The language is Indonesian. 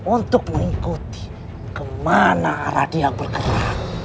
untuk mengikuti kemana arah dia bergerak